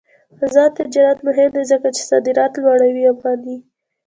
آزاد تجارت مهم دی ځکه چې صادرات لوړوي افغاني.